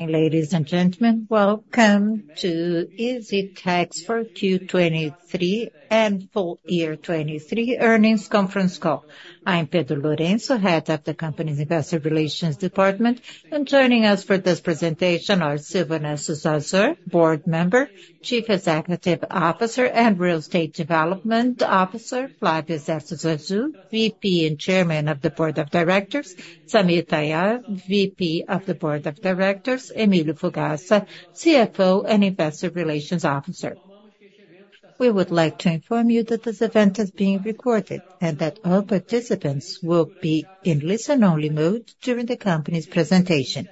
Ladies and gentlemen, welcome to EZTEC's Q4 2023 and Full Year 2023 Earnings Conference Call. I'm Pedro Lourenço, Head of the Company's Investor Relations Department, and joining us for this presentation are Silvio Zarzur, Board Member, Chief Executive Officer, and Real Estate Development Officer, Flávio Zarzur, VP and Chairman of the Board of Directors, Samir El Tayar, VP of the Board of Directors, Emílio Fugazza, CFO and Investor Relations Officer. We would like to inform you that this event is being recorded, and that all participants will be in listen-only mode during the company's presentation.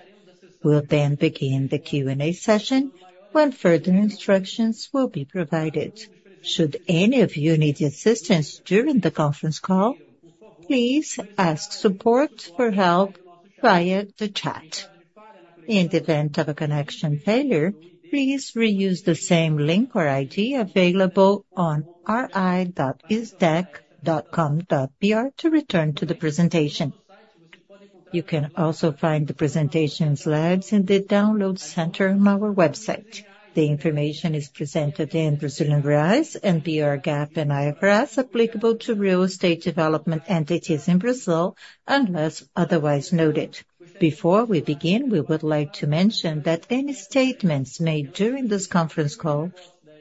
We'll then begin the Q&A session, when further instructions will be provided. Should any of you need assistance during the conference call, please ask support for help via the chat. In the event of a connection failure, please reuse the same link or ID available on ri.eztec.com.br to return to the presentation. You can also find the presentation slides in the download center on our website. The information is presented in Brazilian reais and BR GAAP and IFRS, applicable to real estate development entities in Brazil, unless otherwise noted. Before we begin, we would like to mention that any statements made during this conference call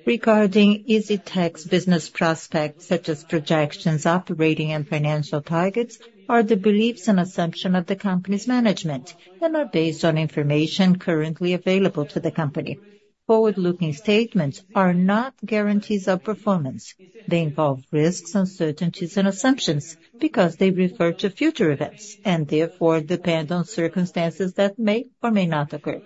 regarding EZTEC's business prospects, such as projections, operating, and financial targets, are the beliefs and assumption of the company's management, and are based on information currently available to the company. Forward-looking statements are not guarantees of performance. They involve risks, uncertainties, and assumptions, because they refer to future events, and therefore, depend on circumstances that may or may not occur.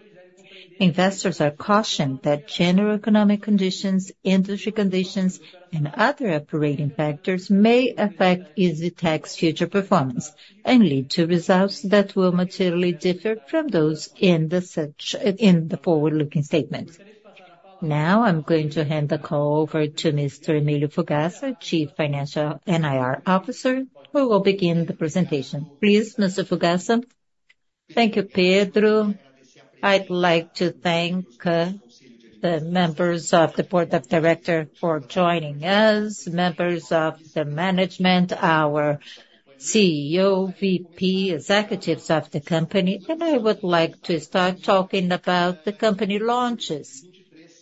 Investors are cautioned that general economic conditions, industry conditions, and other operating factors may affect EZTEC's future performance and lead to results that will materially differ from those in the forward-looking statement. Now, I'm going to hand the call over to Mr. Emílio Fugazza, Chief Financial and IR Officer, who will begin the presentation. Please, Mr. Fugazza. Thank you, Pedro. I'd like to thank the members of the board of directors for joining us, members of the management, our CEO, VP, executives of the company. I would like to start talking about the company launches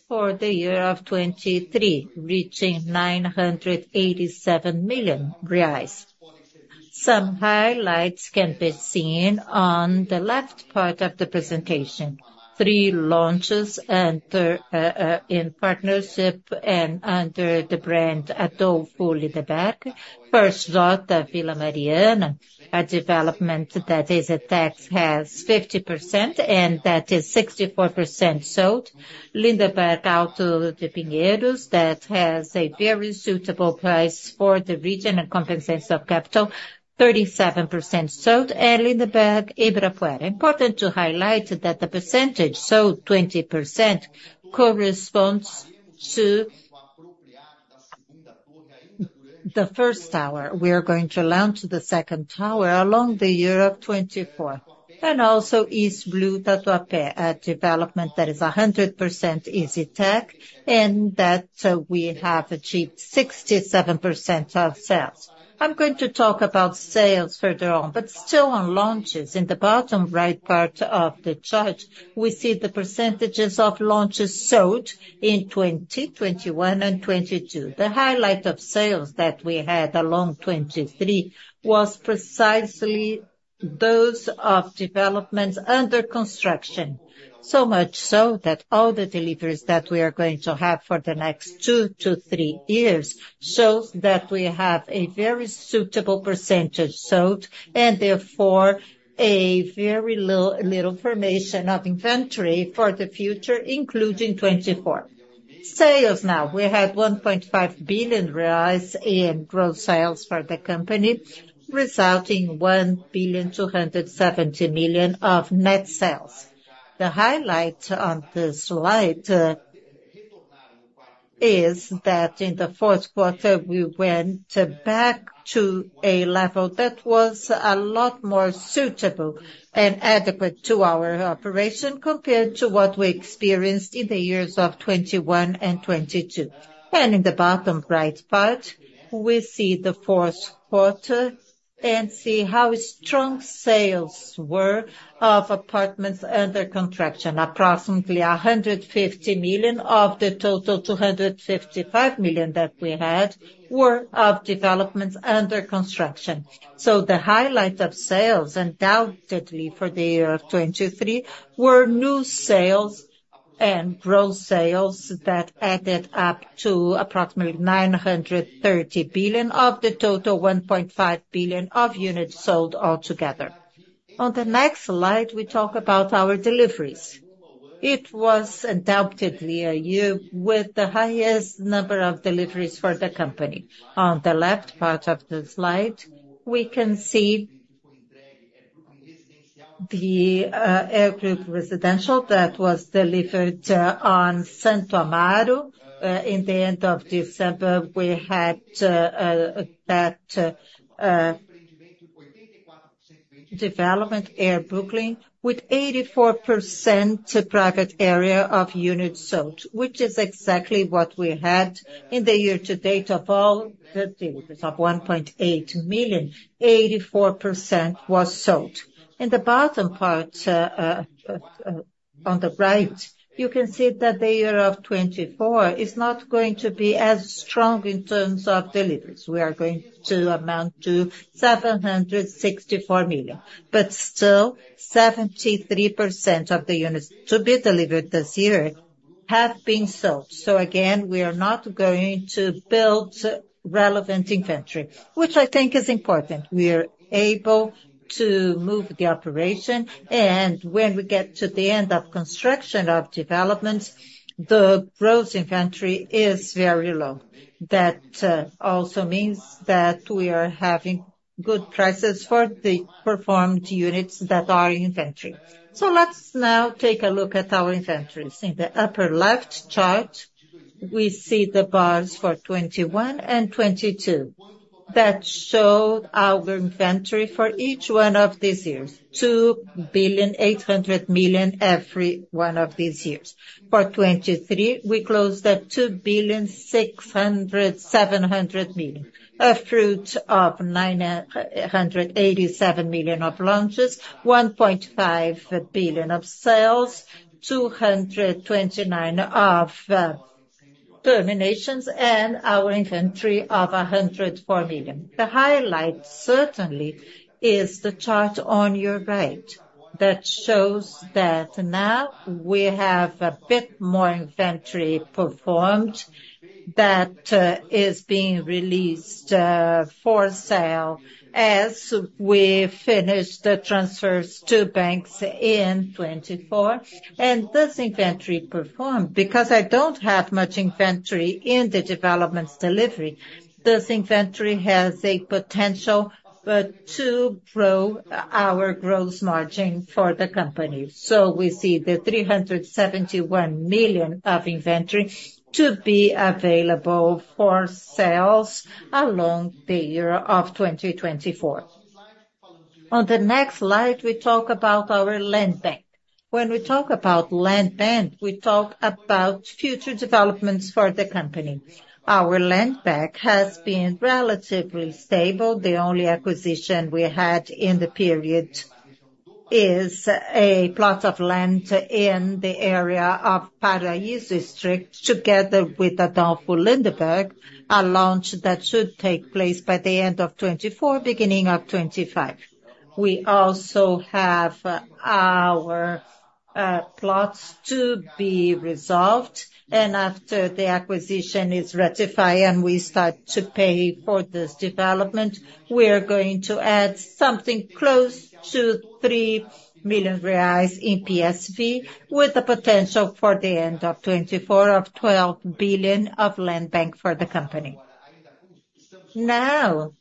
for the year of 2023, reaching 987 million reais. Some highlights can be seen on the left part of the presentation. Three launches under in partnership and under the brand Adolpho Lindenberg. First Jota Vila Mariana, a development that EZTEC has 50%, and that is 64% sold. Lindenberg Alto de Pinheiros, that has a very suitable price for the region and compensation of capital, 37% sold. And Lindenberg Ibirapuera. Important to highlight that the percentage sold, 20%, corresponds to... The first tower. We are going to launch the second tower along the year of 2024. And also EZ Blue Tatuapé, a development that is 100% EZTEC, and that, we have achieved 67% of sales. I'm going to talk about sales further on, but still on launches, in the bottom right part of the chart, we see the percentages of launches sold in 2021 and 2022. The highlight of sales that we had along 2023 was precisely those of developments under construction, so much so that all the deliveries that we are going to have for the next 2 to 3 years shows that we have a very suitable percentage sold, and therefore, a very little formation of inventory for the future, including 2024. Sales now. We had 1.5 billion reais in gross sales for the company, resulting in 1.27 billion of net sales. The highlight on this slide is that in the fourth quarter, we went back to a level that was a lot more suitable and adequate to our operation, compared to what we experienced in the years of 2021 and 2022. And in the bottom right part, we see the fourth quarter and see how strong sales were of apartments under construction. Approximately 150 million of the total 255 million that we had were of developments under construction. So the highlight of sales, undoubtedly, for the year of 2023, were new sales and gross sales that added up to approximately 930 million of the total 1.5 billion of units sold altogether. On the next slide, we talk about our deliveries. It was undoubtedly a year with the highest number of deliveries for the company. On the left part of the slide, we can see the Air Brooklin residential that was delivered on Santo Amaro. In the end of December, we had that development Air Brooklin with 84% private area of units sold, which is exactly what we had in the year to date. Of all thirteen, of 1.8 billion, 84% was sold. In the bottom part on the right, you can see that the year of 2024 is not going to be as strong in terms of deliveries. We are going to amount to 764 million, but still 73% of the units to be delivered this year have been sold. So again, we are not going to build relevant inventory, which I think is important. We are able to move the operation, and when we get to the end of construction of developments, the gross inventory is very low. That also means that we are having good prices for the performed units that are inventory. So let's now take a look at our inventories. In the upper left chart, we see the bars for 2021 and 2022. That show our inventory for each one of these years, 2.8 billion every one of these years. For 2023, we closed at 2.67 billion, a fruit of 987 million of launches, 1.5 billion of sales, 229 of terminations, and our inventory of 104 million. The highlight, certainly, is the chart on your right, that shows that now we have a bit more inventory performed that is being released for sale as we finish the transfers to banks in 2024. And this inventory performed because I don't have much inventory in the developments delivery. This inventory has a potential, but to grow our gross margin for the company. So we see the 371 million of inventory to be available for sales along the year of 2024. On the next slide, we talk about our land bank. When we talk about land bank, we talk about future developments for the company. Our land bank has been relatively stable. The only acquisition we had in the period is a plot of land in the area of Paraíso district, together with Adolpho Lindenberg, a launch that should take place by the end of 2024, beginning of 2025. We also have our plots to be resolved, and after the acquisition is ratified and we start to pay for this development, we are going to add something close to 3 billion reais in PSV, with the potential for the end of 2024 of 12 billion land bank for the company. Now,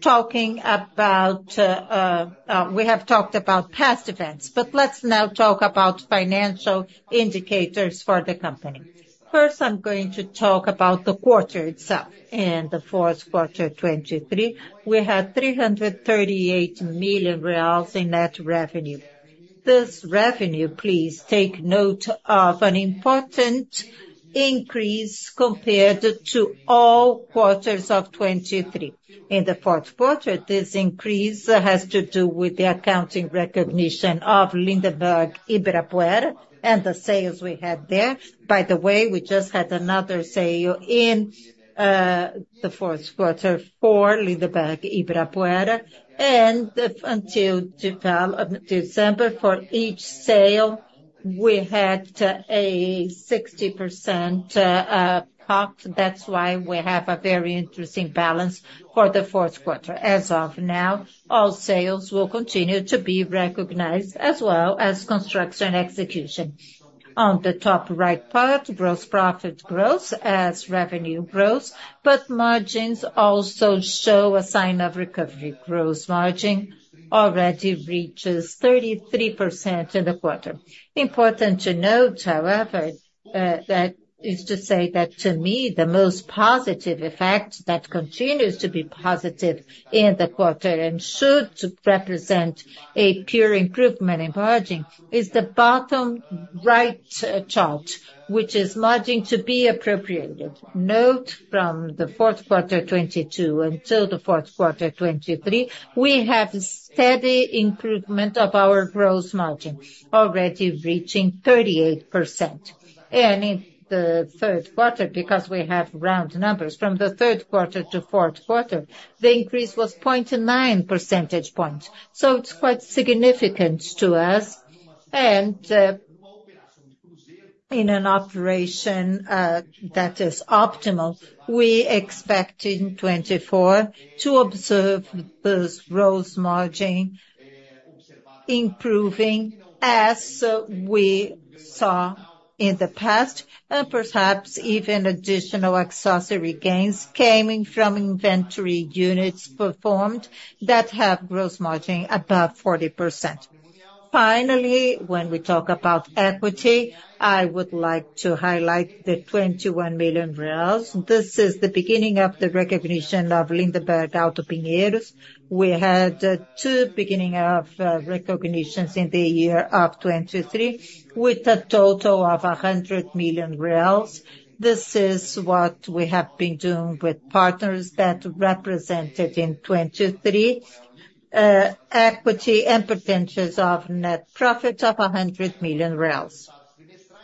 talking about, we have talked about past events, but let's now talk about financial indicators for the company. First, I'm going to talk about the quarter itself. In the fourth quarter of 2023, we had 338 million reais in net revenue. This revenue, please take note of an important increase compared to all quarters of 2023. In the fourth quarter, this increase has to do with the accounting recognition of Lindenberg Ibirapuera and the sales we had there. By the way, we just had another sale in the fourth quarter for Lindenberg Ibirapuera. And until December, for each sale, we had a 60% POC. That's why we have a very interesting balance for the fourth quarter. As of now, all sales will continue to be recognized, as well as construction execution. On the top right part, gross profit growth as revenue grows, but margins also show a sign of recovery. Gross margin already reaches 33% in the quarter. Important to note, however, that is to say that to me, the most positive effect that continues to be positive in the quarter and should represent a pure improvement in margin, is the bottom right chart, which is margin to be appropriated. Note from the fourth quarter 2022 until the fourth quarter 2023, we have a steady improvement of our gross margin, already reaching 38%. And in the third quarter, because we have round numbers, from the third quarter to fourth quarter, the increase was 0.9 percentage points. So it's quite significant to us. In an operation that is optimal, we expect in 2024 to observe this gross margin improving, as we saw in the past, and perhaps even additional accessory gains coming from inventory units performed that have gross margin above 40%.... Finally, when we talk about equity, I would like to highlight the 21 million. This is the beginning of the recognition of Lindenberg Alto de Pinheiros. We had two beginning of recognitions in the year of 2023, with a total of 100 million reais. This is what we have been doing with partners that represented in 2023 equity and percentages of net profit of 100 million reais.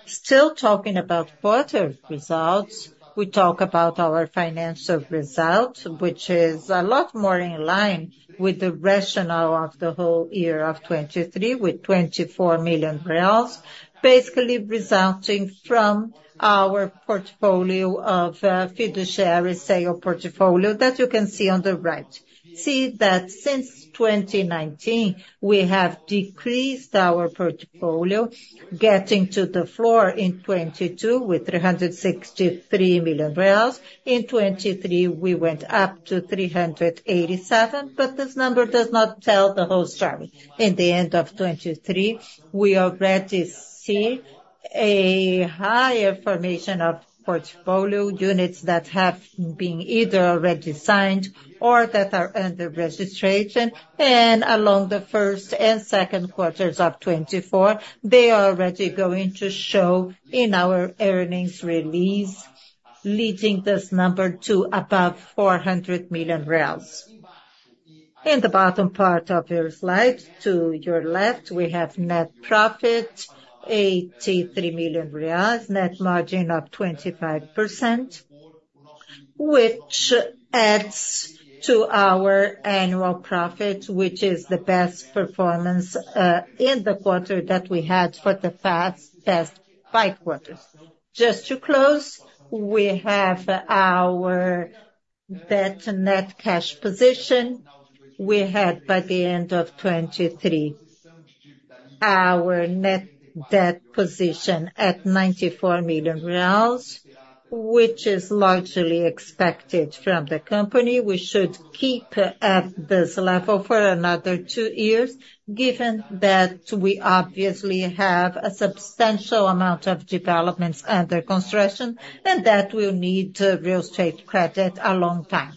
Still talking about quarter results, we talk about our financial results, which is a lot more in line with the rationale of the whole year of 2023, with 24 million reais, basically resulting from our portfolio of fiduciary sale portfolio that you can see on the right. See that since 2019, we have decreased our portfolio, getting to the floor in 2022 with 363 million reais. In 2023, we went up to 387 million, but this number does not tell the whole story. In the end of 2023, we already see a higher formation of portfolio units that have been either already signed or that are under registration. And along the first and second quarters of 2024, they are already going to show in our earnings release, leading this number to above 400 million. In the bottom part of your slide, to your left, we have net profit, 83 million reais, net margin of 25%, which adds to our annual profit, which is the best performance in the quarter that we had for the past five quarters. Just to close, we have our debt to net cash position. We had, by the end of 2023, our net debt position at BRL 94 million, which is largely expected from the company. We should keep at this level for another two years, given that we obviously have a substantial amount of developments under construction, and that will need real estate credit a long time.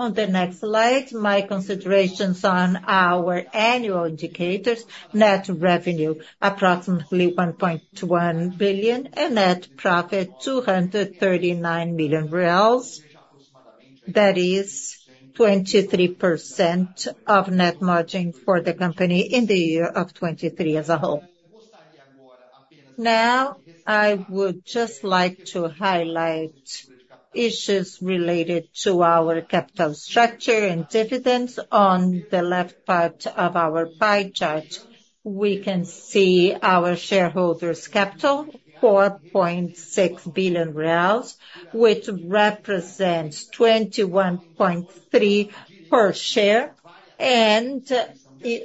On the next slide, my considerations on our annual indicators, net revenue, approximately 1.1 billion, and net profit, 239 million reais. That is 23% of net margin for the company in the year of 2023 as a whole. Now, I would just like to highlight issues related to our capital structure and dividends. On the left part of our pie chart, we can see our shareholders capital, 4.6 billion reais, which represents 21.3 per share, and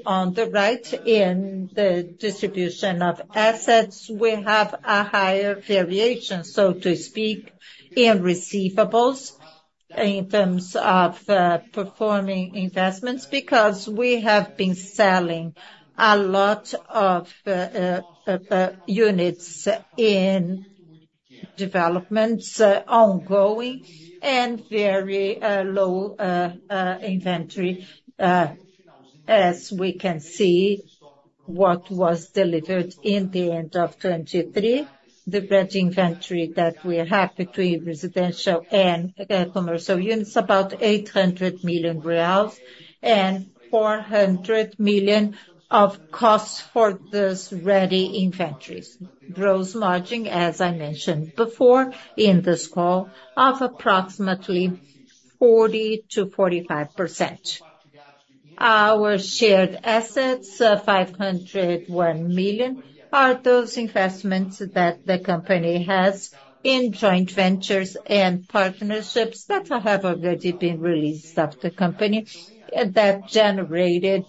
on the right, in the distribution of assets, we have a higher variation, so to speak, in receivables, in terms of, performing investments, because we have been selling a lot of, units in developments ongoing, and very, low, inventory, as we can see, what was delivered in the end of 2023. The ready inventory that we have between residential and, commercial units, about 800 million reais and 400 million of costs for this ready inventories. Gross margin, as I mentioned before in this call, of approximately 40%-45%. Our shared assets, 501 million, are those investments that the company has in joint ventures and partnerships that have already been released of the company, that generated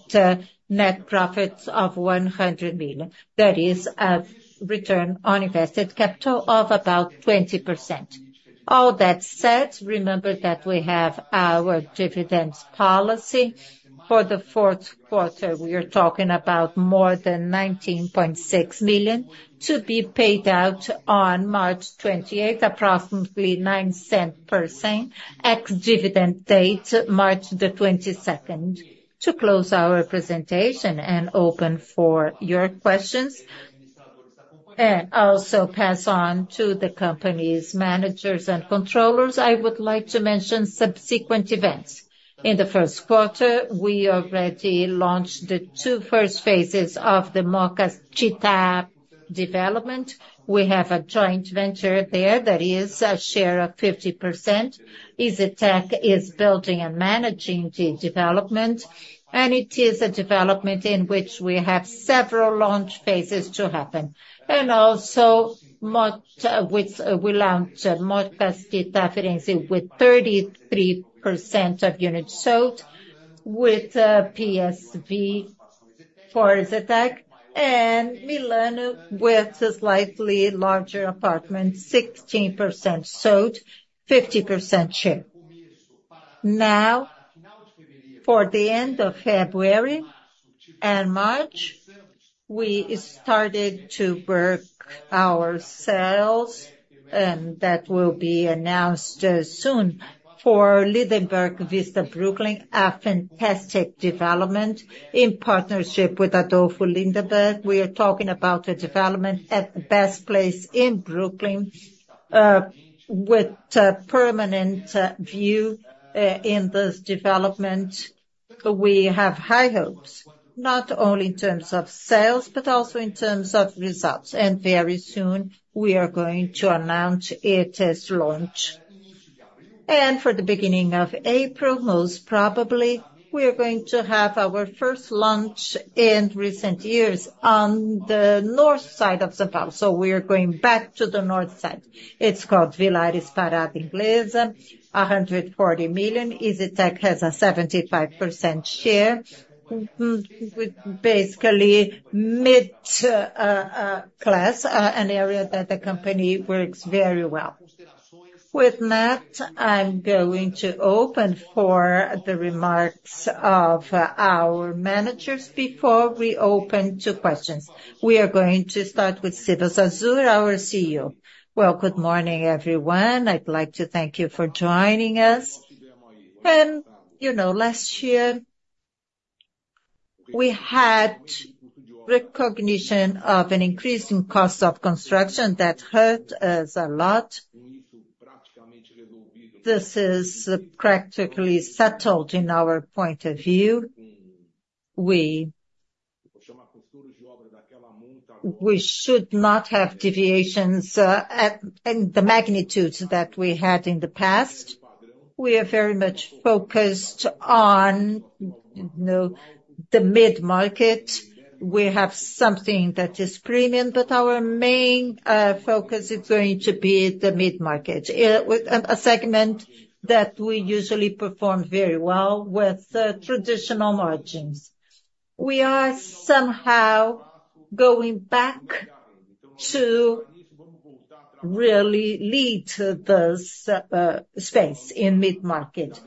net profits of 100 million. That is a return on invested capital of about 20%. All that said, remember that we have our dividends policy. For the fourth quarter, we are talking about more than 19.6 million to be paid out on March twenty-eighth, approximately 0.09 cents per share, ex-dividend date, March the twenty-second. To close our presentation and open for your questions, and also pass on to the company's managers and controllers, I would like to mention subsequent events. In the first quarter, we already launched the two first phases of the Mooca Città development. We have a joint venture there that is a 50% share. EZTEC is building and managing the development, and it is a development in which we have several launch phases to happen. Also, which we launched, Mooca Città Firenze, with 33% of units sold with PSV for EZTEC, and Milano with a slightly larger apartment, 16% sold, 50% share. Now, for the end of February and March, we started to work our sales, and that will be announced soon. For Lindenberg Vista Brooklin, a fantastic development in partnership with Adolpho Lindenberg. We are talking about a development at the best place in Brooklin, with a permanent view in this development. We have high hopes, not only in terms of sales, but also in terms of results, and very soon we are going to announce its launch. For the beginning of April, most probably, we are going to have our first launch in recent years on the north side of São Paulo. We are going back to the north side. It's called Vila Inglesa, 140 million. EZTEC has a 75% share, with basically mid-class, an area that the company works very well. With that, I'm going to open for the remarks of our managers before we open to questions. We are going to start with Silvio Zarzur, our CEO. Well, good morning, everyone. I'd like to thank you for joining us. And, you know, last year, we had recognition of an increase in cost of construction that hurt us a lot. This is practically settled in our point of view. We should not have deviations in the magnitudes that we had in the past. We are very much focused on, you know, the mid-market. We have something that is premium, but our main focus is going to be the mid-market with a segment that we usually perform very well with traditional margins. We are somehow going back to really lead to this space in mid-market.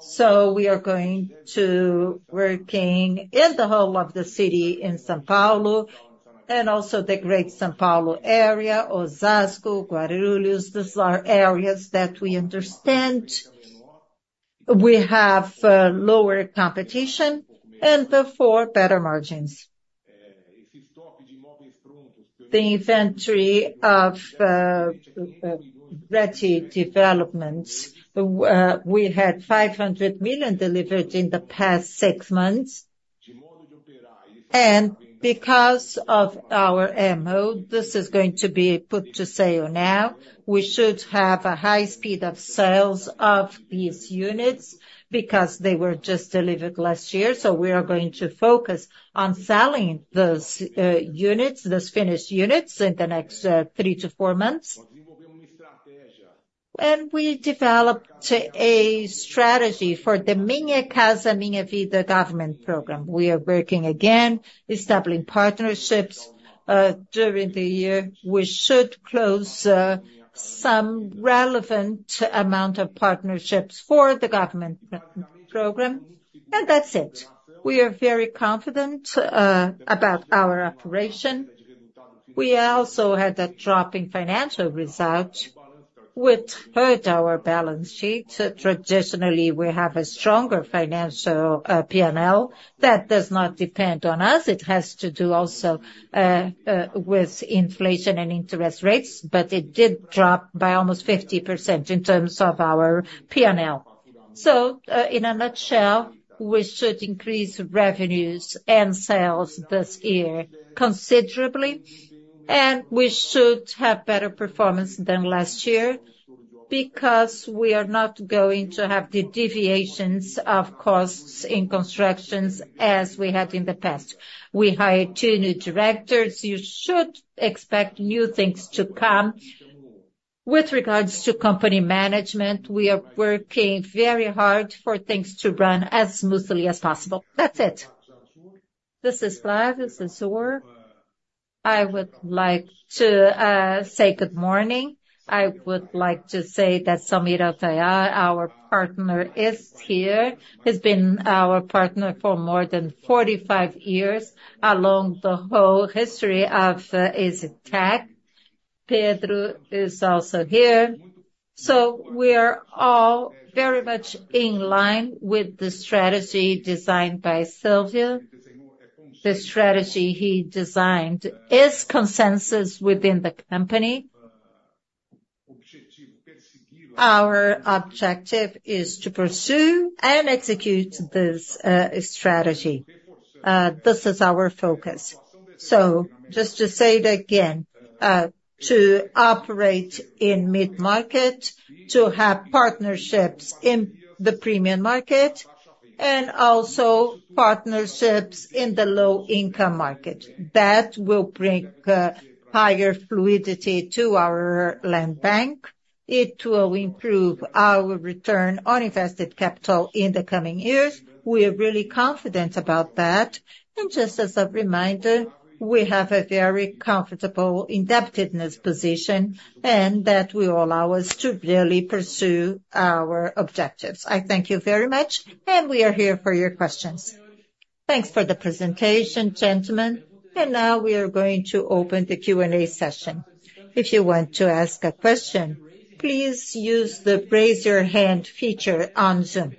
So we are going to working in the whole of the city in São Paulo and also the Great São Paulo area, Osasco, Guarulhos. These are areas that we understand. We have lower competition and therefore better margins. The inventory of ready developments, we had 500 million delivered in the past six months. And because of our MO, this is going to be put to sale now. We should have a high speed of sales of these units because they were just delivered last year, so we are going to focus on selling those units, those finished units, in the next 3-4 months. We developed a strategy for the Minha Casa, Minha Vida government program. We are working again, establishing partnerships. During the year, we should close some relevant amount of partnerships for the government program. That's it. We are very confident about our operation. We also had a drop in financial results, which hurt our balance sheet. Traditionally, we have a stronger financial P&L. That does not depend on us. It has to do also with inflation and interest rates, but it did drop by almost 50% in terms of our P&L. In a nutshell, we should increase revenues and sales this year considerably, and we should have better performance than last year because we are not going to have the deviations of costs in constructions as we had in the past. We hired two new directors. You should expect new things to come. With regards to company management, we are working very hard for things to run as smoothly as possible. That's it. This is Flávio Zarzur. I would like to say good morning. I would like to say that Samir El Tayar, our partner, is here, has been our partner for more than 45 years, along the whole history of EZTEC. Pedro is also here. So we are all very much in line with the strategy designed by Silvio. The strategy he designed is consensus within the company. Our objective is to pursue and execute this strategy. This is our focus. So just to say it again, to operate in mid-market, to have partnerships in the premium market, and also partnerships in the low-income market, that will bring higher fluidity to our land bank. It will improve our return on invested capital in the coming years. We are really confident about that. And just as a reminder, we have a very comfortable indebtedness position, and that will allow us to really pursue our objectives. I thank you very much, and we are here for your questions. Thanks for the presentation, gentlemen. And now we are going to open the Q&A session. If you want to ask a question, please use the Raise Your Hand feature on Zoom.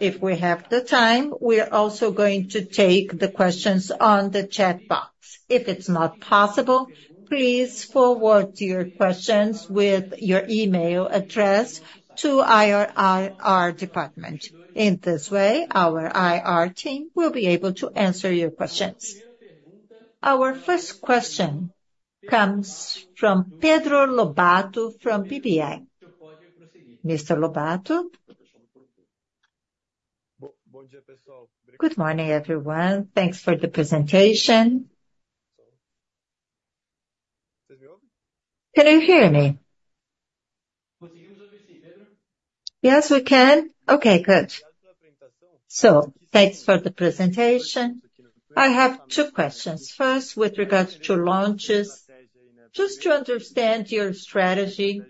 If we have the time, we are also going to take the questions on the chat box. If it's not possible, please forward your questions with your email address to IR, IR department. In this way, our IR team will be able to answer your questions. Our first question comes from Pedro Lobato, from BBI. Mr. Lobato? Good morning, everyone. Thanks for the presentation. Can you hear me? Yes, we can. Okay, good. So thanks for the presentation. I have two questions. First, with regards to launches, just to understand your strategy.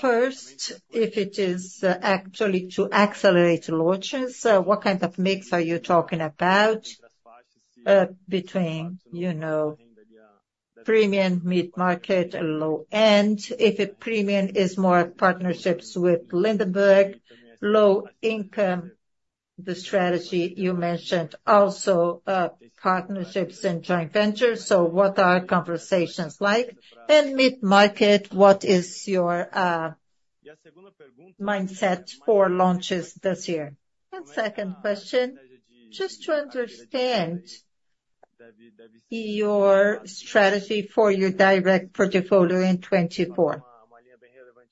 First, if it is actually to accelerate launches, what kind of mix are you talking about, between, you know, premium, mid-market and low end? If a premium is more partnerships with Lindenberg, low income, the strategy you mentioned also, partnerships and joint ventures. So what are conversations like? And mid-market, what is your, mindset for launches this year? Second question, just to understand your strategy for your direct portfolio in 2024,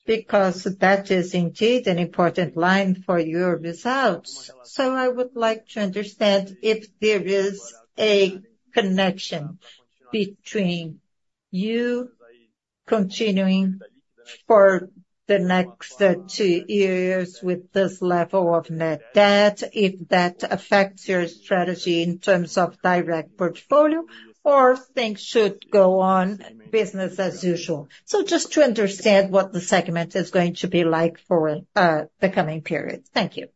because that is indeed an important line for your results. I would like to understand if there is a connection between you continuing for the next two years with this level of net debt, if that affects your strategy in terms of direct portfolio, or things should go on business as usual. Just to understand what the segment is going to be like for the coming period. Thank you.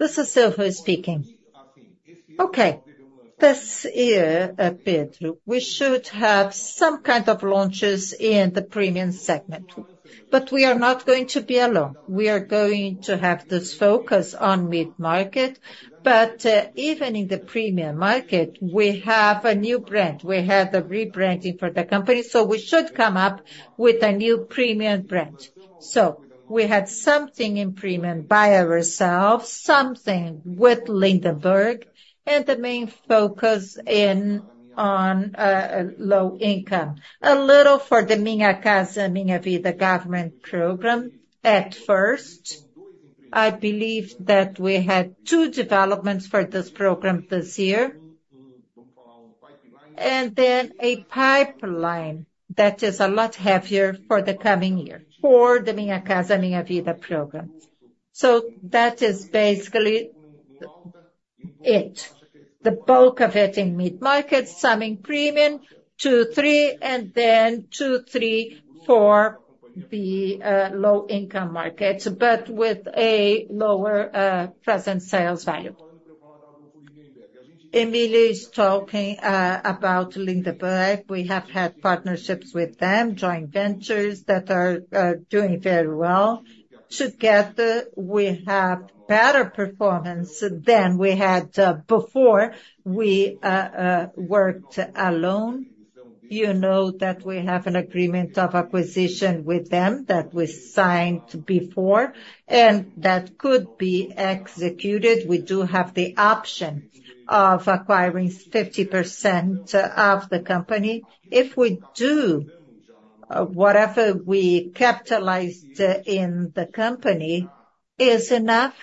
This is Silvio speaking. Okay, this year, Pedro, we should have some kind of launches in the premium segment, but we are not going to be alone. We are going to have this focus on mid-market, but even in the premium market, we have a new brand. We have the rebranding for the company, so we should come up with a new premium brand. So we had something in premium by ourselves, something with Lindenberg, and the main focus is on low income. A little for the Minha Casa, Minha Vida government program at first. I believe that we had 2 developments for this program this year, and then a pipeline that is a lot heavier for the coming year for the Minha Casa, Minha Vida program. So that is basically it. The bulk of it in mid-market, some in premium, 2-3, and then 2-3 for the low income markets, but with a lower present sales value. Emílio is talking about Lindenberg. We have had partnerships with them, joint ventures that are doing very well. Together, we have better performance than we had before we worked alone. You know that we have an agreement of acquisition with them that we signed before, and that could be executed. We do have the option of acquiring 50% of the company. If we do, whatever we capitalized in the company is enough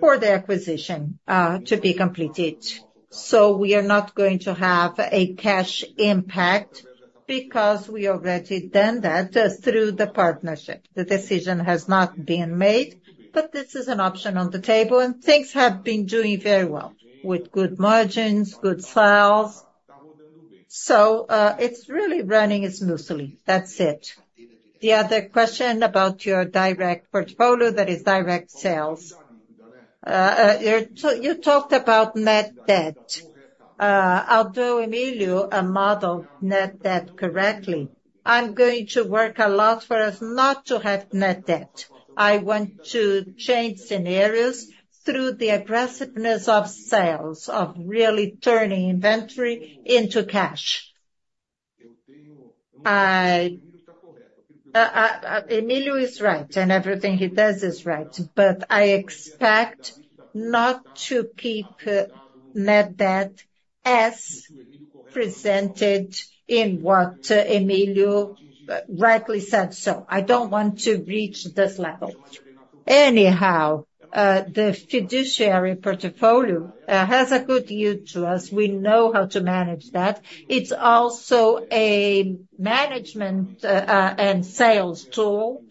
for the acquisition to be completed. So we are not going to have a cash impact because we already done that just through the partnership. The decision has not been made, but this is an option on the table, and things have been doing very well with good margins, good sales. So, it's really running smoothly. That's it. The other question about your direct portfolio, that is direct sales. You talked about net debt. Although Emílio modeled net debt correctly, I'm going to work a lot for us not to have net debt. I want to change scenarios through the aggressiveness of sales, of really turning inventory into cash. Emílio is right, and everything he does is right, but I expect not to keep net debt as presented in what Emílio rightly said, so I don't want to reach this level. Anyhow, the fiduciary portfolio has a good yield to us. We know how to manage that. It's also a management and sales tool.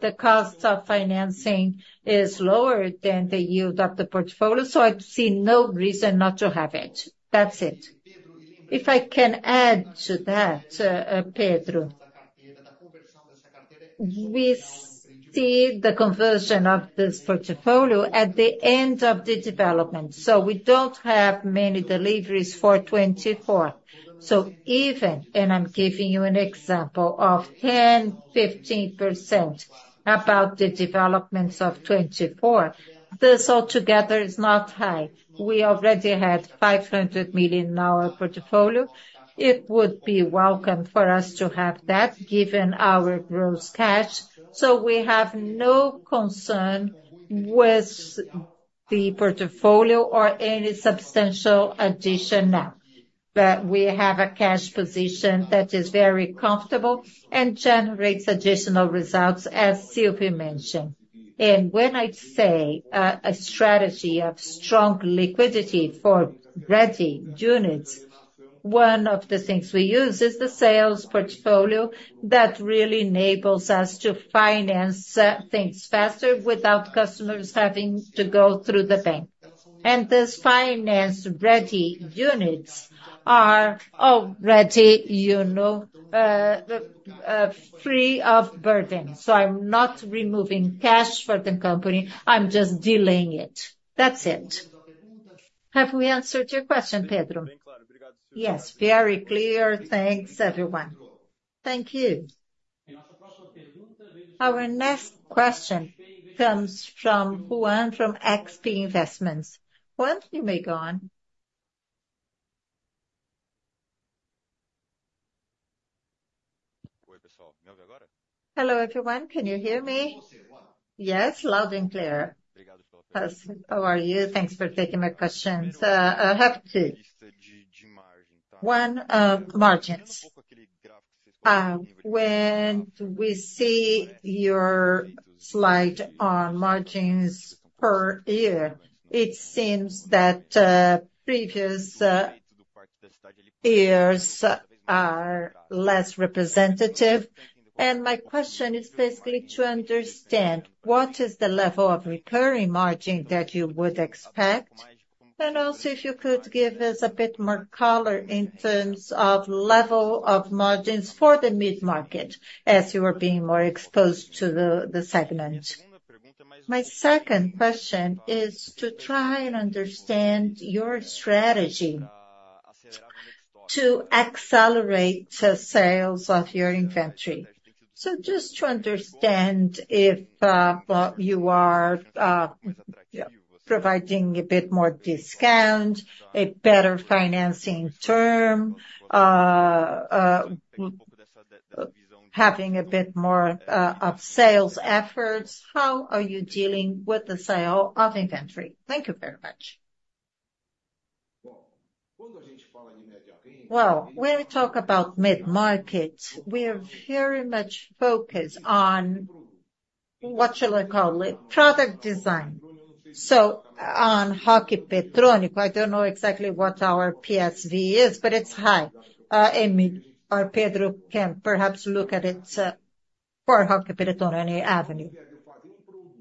The cost of financing is lower than the yield of the portfolio, so I see no reason not to have it. That's it. If I can add to that, Pedro, we see the conversion of this portfolio at the end of the development, so we don't have many deliveries for 2024. So even and I'm giving you an example of 10%-15% about the developments of 2024, this altogether is not high. We already had 500 million in our portfolio. It would be welcome for us to have that, given our gross cash. So we have no concern with the portfolio or any substantial addition now. But we have a cash position that is very comfortable and generates additional results, as Silvio mentioned. And when I say a strategy of strong liquidity for ready units, one of the things we use is the sales portfolio that really enables us to finance things faster without customers having to go through the bank. And these finance-ready units are already, you know, free of burden. So I'm not removing cash for the company, I'm just delaying it. That's it. Have we answered your question, Pedro? Yes, very clear. Thanks, everyone. Thank you. Our next question comes from Ruan from XP Investimentos. Ruan, you may go on. Hello, everyone. Can you hear me? Yes, loud and clear. How are you? Thanks for taking my questions. I have two. One, margins. When we see your slide on margins per year, it seems that previous years are less representative. And my question is basically to understand what is the level of recurring margin that you would expect, and also, if you could give us a bit more color in terms of level of margins for the mid-market as you are being more exposed to the segment. My second question is to try and understand your strategy to accelerate the sales of your inventory. So just to understand if you are providing a bit more discount, a better financing term, having a bit more of sales efforts, how are you dealing with the sale of inventory? Thank you very much. Well, when we talk about mid-market, we are very much focused on, what shall I call it? Product design. So on Roque Petroni, I don't know exactly what our PSV is, but it's high. Emílio or Pedro can perhaps look at it for Roque Petroni Avenue.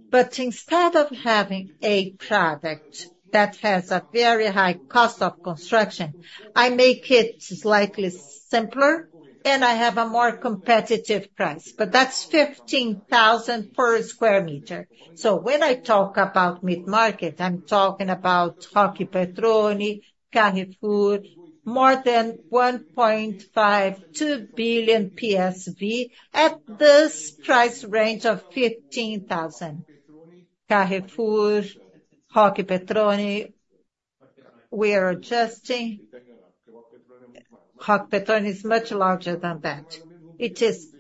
But instead of having a product that has a very high cost of construction, I make it slightly simpler, and I have a more competitive price, but that's 15,000 per square meter. So when I talk about mid-market, I'm talking about Roque Petroni, Carrefour, more than 1.5 billion-2 billion PSV at this price range of 15,000. Carrefour, Roque Petroni, we are adjusting. Roque Petroni is much larger than that. It is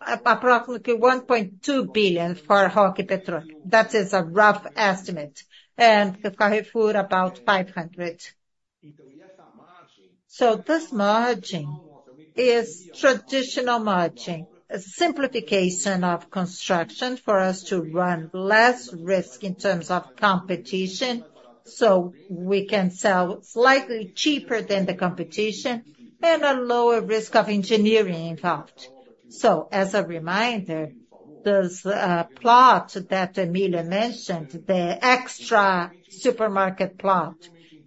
approximately 1.2 billion for Roque Petroni. That is a rough estimate, and the Carrefour, about 500 million. So this margin is traditional margin, a simplification of construction for us to run less risk in terms of competition, so we can sell slightly cheaper than the competition and a lower risk of engineering involved. So as a reminder, this plot that Emílio mentioned, the Extra supermarket plot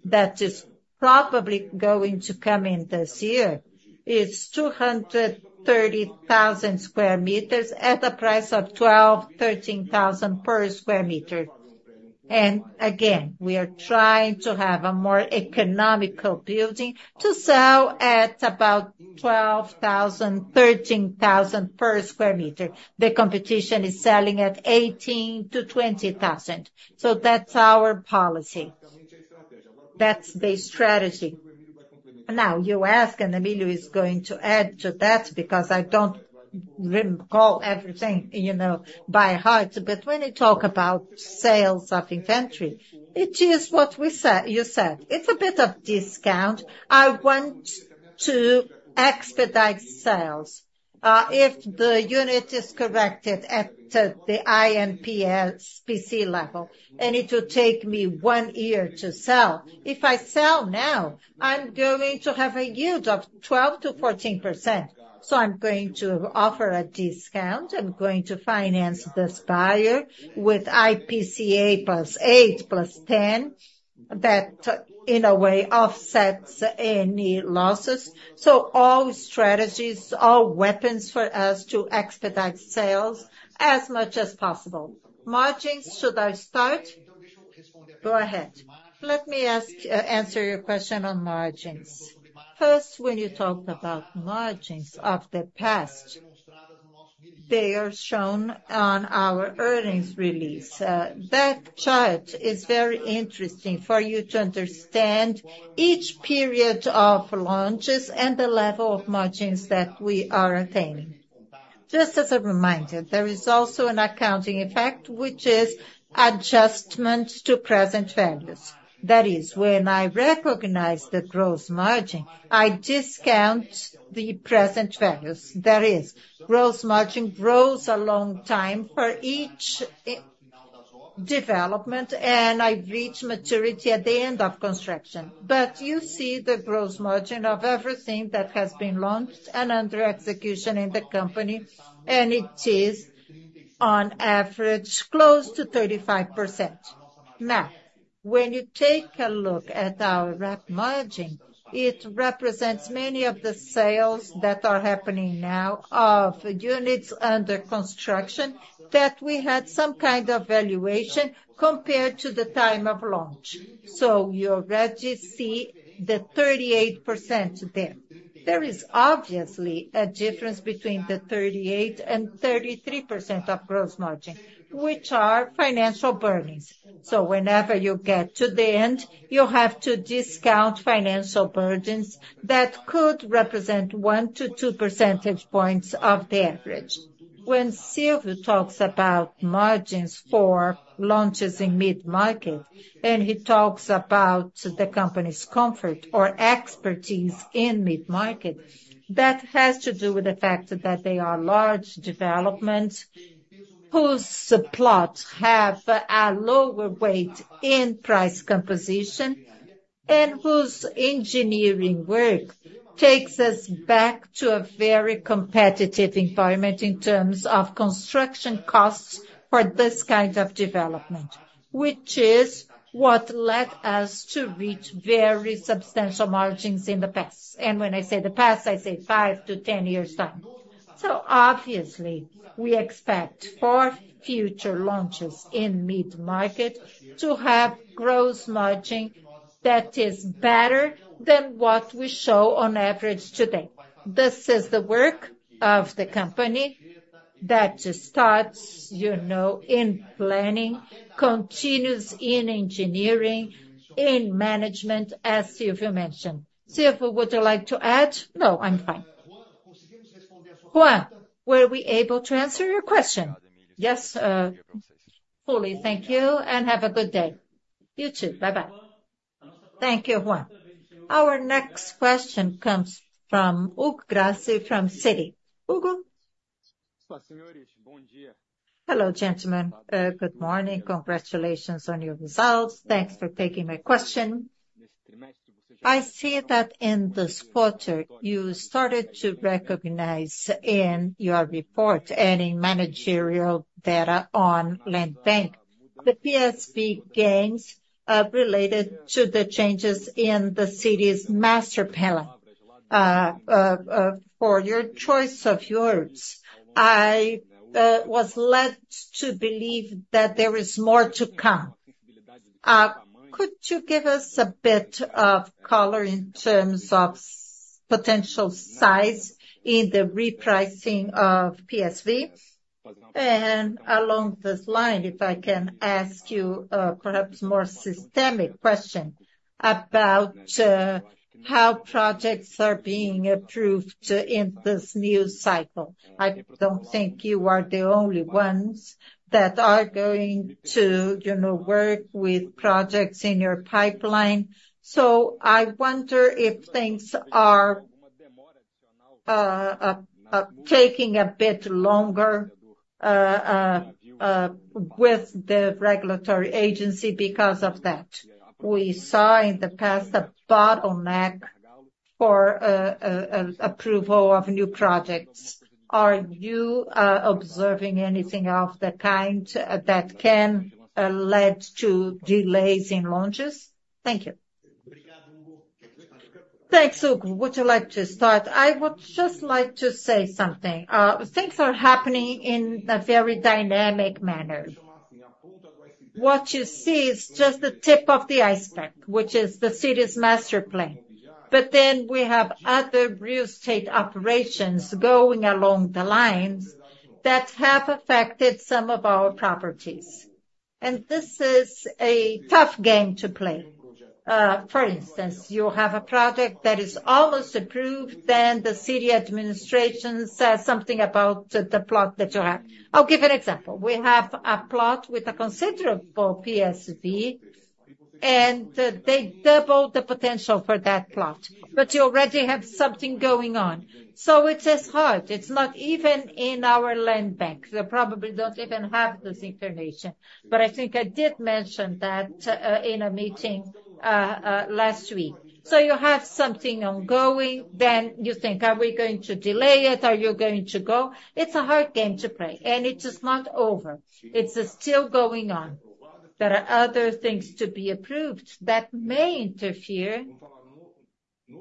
that is probably going to come in this year, is 230,000 square meters at a price of 12,000-13,000 per square meter. And again, we are trying to have a more economical building to sell at about 12,000-13,000 per square meter. The competition is selling at 18,000-20,000. So that's our policy. That's the strategy. Now, you ask, and Emílio is going to add to that because I don't recall everything, you know, by heart. But when you talk about sales of inventory, it is what we said - you said. It's a bit of discount. I want to expedite sales. If the unit is corrected at the INCC level, and it will take me one year to sell. If I sell now, I'm going to have a yield of 12%-14%. So I'm going to offer a discount, I'm going to finance this buyer with IPCA +8, +10, that, in a way, offsets any losses. So all strategies, all weapons for us to expedite sales as much as possible. Margins, should I start? Go ahead. Let me ask - answer your question on margins. First, when you talk about margins of the past, they are shown on our earnings release. That chart is very interesting for you to understand each period of launches and the level of margins that we are attaining. Just as a reminder, there is also an accounting effect, which is adjustment to present values. That is, when I recognize the gross margin, I discount the present values. That is, gross margin grows a long time for each development, and I reach maturity at the end of construction. But you see the gross margin of everything that has been launched and under execution in the company, and it is on average, close to 35%. Now, when you take a look at our REF margin, it represents many of the sales that are happening now of units under construction, that we had some kind of valuation compared to the time of launch. So you already see the 38% there. There is obviously a difference between the 38% and 33% of gross margin, which are financial burdens. So whenever you get to the end, you have to discount financial burdens that could represent 1-2 percentage points of the average. When Silvio talks about margins for launches in mid-market, and he talks about the company's comfort or expertise in mid-market, that has to do with the fact that they are large developments, whose plots have a lower weight in price composition, and whose engineering work takes us back to a very competitive environment in terms of construction costs for this kind of development, which is what led us to reach very substantial margins in the past. And when I say the past, I say 5-10 years time. So obviously, we expect for future launches in mid-market to have gross margin that is better than what we show on average today. This is the work of the company that starts, you know, in planning, continues in engineering, in management, as Silvio mentioned. Silvio, would you like to add? No, I'm fine. Ruan, were we able to answer your question? Yes, fully. Thank you, and have a good day. You, too. Bye-bye. Thank you, Ruan. Our next question comes from Hugo Grassi from Citi. Hugo? Hello, gentlemen. Good morning. Congratulations on your results. Thanks for taking my question. I see that in this quarter, you started to recognize in your report and in managerial data on land bank, the PSV gains, related to the changes in the city's master plan. For your choice of yours, I was led to believe that there is more to come. Could you give us a bit of color in terms of potential size in the repricing of PSV? And along this line, if I can ask you, perhaps more systemic question about how projects are being approved in this new cycle. I don't think you are the only ones that are going to, you know, work with projects in your pipeline. So I wonder if things are taking a bit longer with the regulatory agency because of that. We saw in the past, a bottleneck for approval of new projects. Are you observing anything of the kind that can lead to delays in launches? Thank you. Thanks, Hugo. Would you like to start? I would just like to say something. Things are happening in a very dynamic manner. What you see is just the tip of the iceberg, which is the city's master plan. But then we have other real estate operations going along the lines that have affected some of our properties. And this is a tough game to play. For instance, you have a project that is almost approved, then the city administration says something about the plot that you have. I'll give an example. We have a plot with a considerable PSV and they double the potential for that plot, but you already have something going on. So it is hard. It's not even in our land bank. They probably don't even have this information, but I think I did mention that in a meeting last week. So you have something ongoing, then you think, are we going to delay it? Are you going to go? It's a hard game to play, and it is not over. It's still going on. There are other things to be approved that may interfere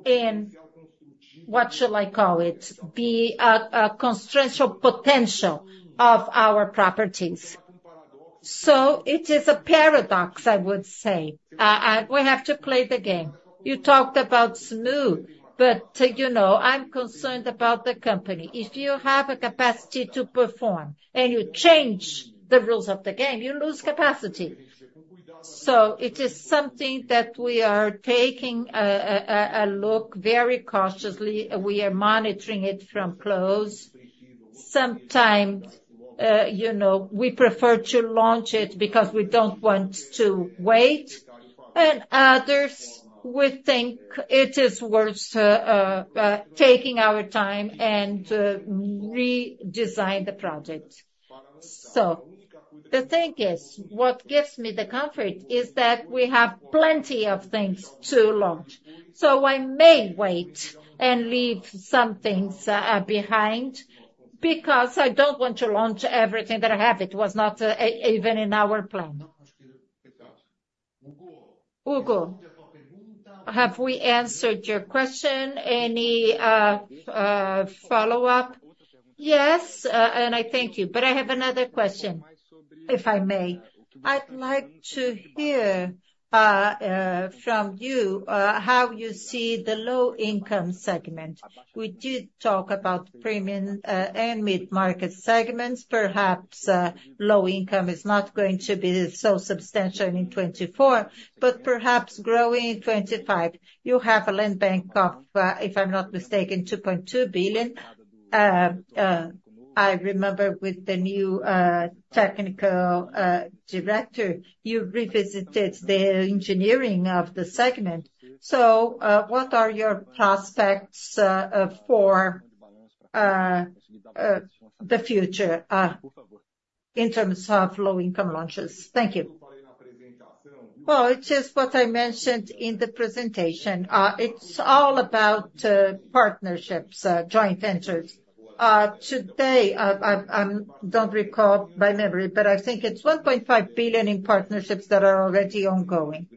in, what shall I call it? The construction potential of our properties. So it is a paradox, I would say. And we have to play the game. You talked about smooth, but, you know, I'm concerned about the company. If you have a capacity to perform and you change the rules of the game, you lose capacity. So it is something that we are taking a look very cautiously, we are monitoring it from close. Sometimes, you know, we prefer to launch it because we don't want to wait, and others, we think it is worth taking our time and redesign the project. So the thing is, what gives me the comfort is that we have plenty of things to launch. So I may wait and leave some things behind, because I don't want to launch everything that I have. It was not even in our plan. Hugo, have we answered your question? Any follow-up? Yes, and I thank you. But I have another question, if I may. I'd like to hear from you how you see the low-income segment. We did talk about premium and mid-market segments. Perhaps low income is not going to be so substantial in 2024, but perhaps growing in 2025. You have a land bank of, if I'm not mistaken, 2.2 billion. I remember with the new technical director, you revisited the engineering of the segment. So, what are your prospects for the future in terms of low-income launches? Thank you. Well, it is what I mentioned in the presentation. It's all about partnerships, joint ventures. Today, I don't recall by memory, but I think it's 1.5 billion in partnerships that are already ongoing.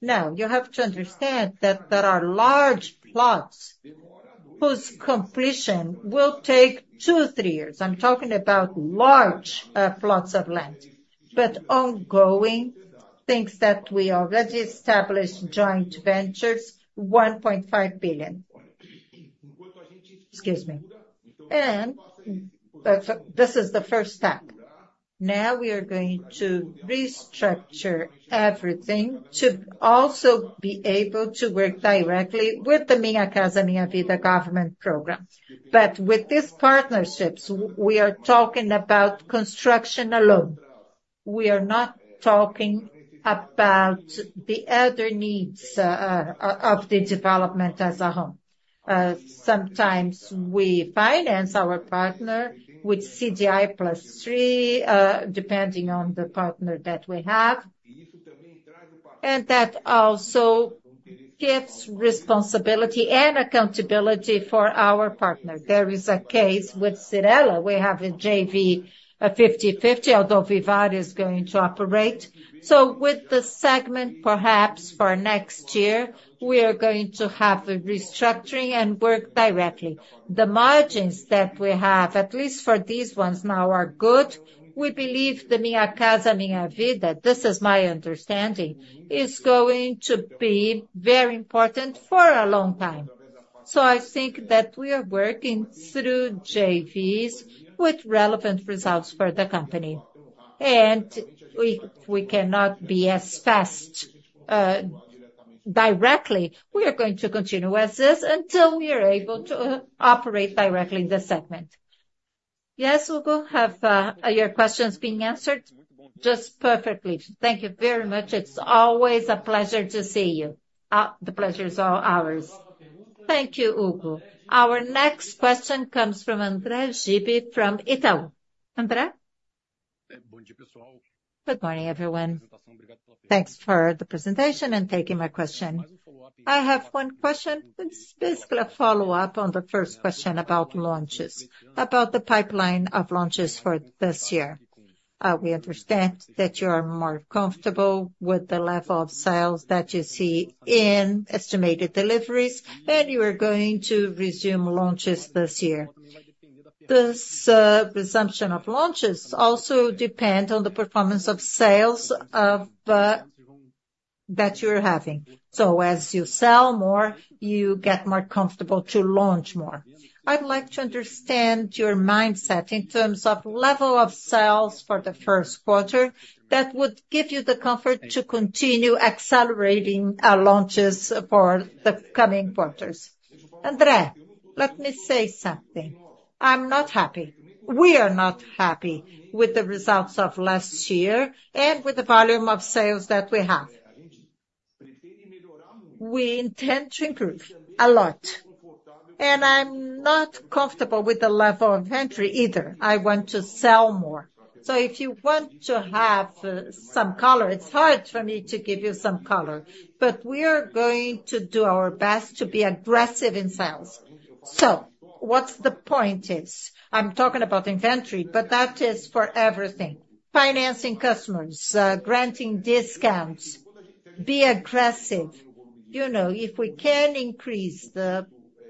Now, you have to understand that there are large plots whose completion will take 2-3 years. I'm talking about large plots of land, but ongoing things that we already established joint ventures, 1.5 billion. Excuse me. This is the first step. Now we are going to restructure everything to also be able to work directly with the Minha Casa, Minha Vida government program. But with these partnerships, we are talking about construction alone. We are not talking about the other needs, of the development as a home. Sometimes we finance our partner with CDI +3, depending on the partner that we have, and that also gives responsibility and accountability for our partner. There is a case with Cyrela. We have a JV, 50/50, although Vivaz is going to operate. So with the segment, perhaps for next year, we are going to have a restructuring and work directly. The margins that we have, at least for these ones now, are good. We believe the Minha Casa, Minha Vida, this is my understanding, is going to be very important for a long time. So I think that we are working through JVs with relevant results for the company, and we cannot be as fast, directly. We are going to continue as this until we are able to operate directly in the segment. Yes, Hugo, have your questions been answered? Just perfectly. Thank you very much. It's always a pleasure to see you. The pleasure is all ours. Thank you, Hugo. Our next question comes from André Dibe from Itaú. André? Good morning, everyone. Thanks for the presentation and taking my question. I have one question. It's basically a follow-up on the first question about launches, about the pipeline of launches for this year. We understand that you are more comfortable with the level of sales that you see in estimated deliveries, and you are going to resume launches this year. This resumption of launches also depend on the performance of sales of that you're having. So as you sell more, you get more comfortable to launch more. I'd like to understand your mindset in terms of level of sales for the first quarter that would give you the comfort to continue accelerating launches for the coming quarters. André, let me say something.... I'm not happy. We are not happy with the results of last year, and with the volume of sales that we have. We intend to improve a lot, and I'm not comfortable with the level of inventory either. I want to sell more. So if you want to have some color, it's hard for me to give you some color, but we are going to do our best to be aggressive in sales. So what's the point is, I'm talking about inventory, but that is for everything. Financing customers, granting discounts, be aggressive. You know, if we can increase the